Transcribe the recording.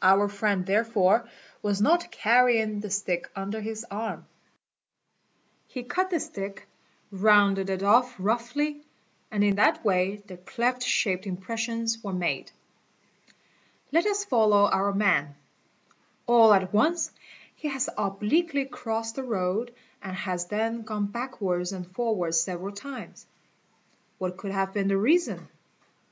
Our friend therefore was not carrying the stick under his arm. He cut the stick, rounded it off roughly, and in that way the cleft shaped impressions" were made. Let us follow our man. All at once he has obliquely crossed the road and has then gone backwards and forwards several times. What could have been the reason?